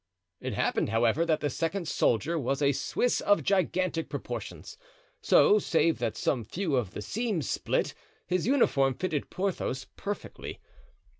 It happened, however, that the second soldier was a Swiss of gigantic proportions, so, save that some few of the seams split, his uniform fitted Porthos perfectly.